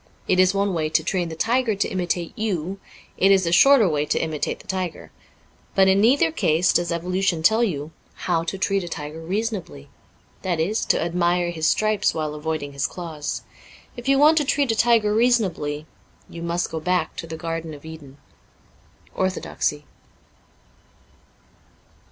It is one way to train the tiger to imitate you ; it is a shorter way to imitate the tiger. But in neither case does evolution tell you hov/ to treat a tiger reasonably — that is, to admire his stripes while avoiding his claws. If you want to treat a tiger reasonably, you must go back to the garden of Eden. ' Orthodoxy.''